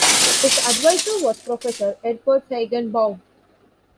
His advisor was Professor Edward Feigenbaum.